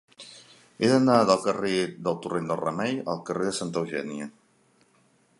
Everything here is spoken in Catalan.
He d'anar del carrer del Torrent del Remei al carrer de Santa Eugènia.